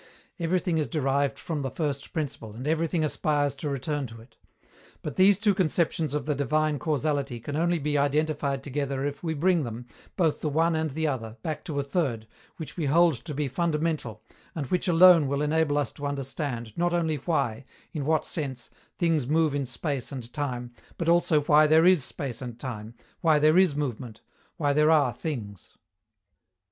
Everything is derived from the first principle, and everything aspires to return to it. But these two conceptions of the divine causality can only be identified together if we bring them, both the one and the other, back to a third, which we hold to be fundamental, and which alone will enable us to understand, not only why, in what sense, things move in space and time, but also why there is space and time, why there is movement, why there are things.